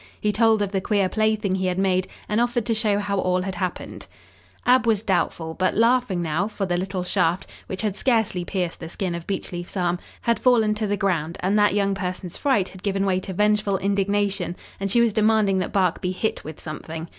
He told of the queer plaything he had made, and offered to show how all had happened. Ab was doubtful but laughing now, for the little shaft, which had scarcely pierced the skin of Beechleaf's arm had fallen to the ground and that young person's fright had given way to vengeful indignation and she was demanding that Bark be hit with something.